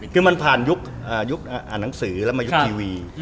คือมันผ่านยุคอ่านหนังสือแล้วมายุคทีวี